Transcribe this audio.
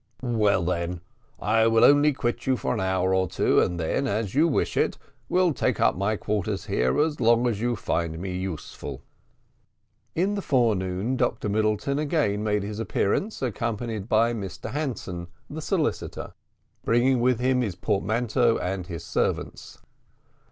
"Well then, I will only quit you for an hour or two, and then, as you wish it, will take up my quarters here as long as you find me useful." In the forenoon, Dr Middleton again made his appearance, accompanied by Mr Hanson, the solicitor, bringing with him his portmanteau and his servants.